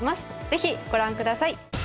ぜひご覧ください。